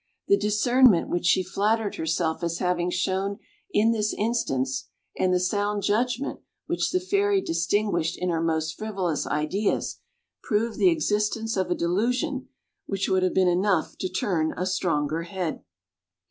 The discernment which she flattered herself as having shown in this instance, and the sound judgment which the Fairy distinguished in her most frivolous ideas, prove the existence of a delusion which would have been enough to turn a stronger head.